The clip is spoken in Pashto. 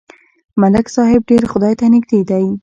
ملک صاحب ډېر خدای ته نږدې دی.